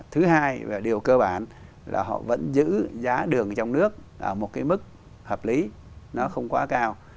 thứ hai và điều cơ bản là họ vẫn giữ giá đường trong nước ở một cái mức hợp lý nó không quá cao